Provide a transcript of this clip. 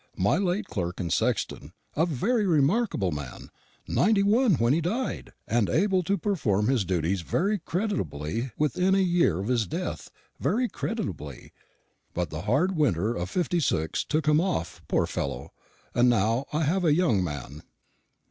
My late clerk and sexton, a very remarkable man, ninety one when he died, and able to perform his duties very creditably within a year of his death very creditably; but the hard winter of '56 took him off, poor fellow, and now I have a young man.